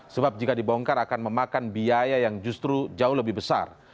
sebab jika dibongkar akan memakan biaya yang justru jauh lebih besar